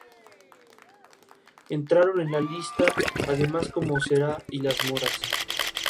Entraron en la lista además "Cómo será" y "Las moras".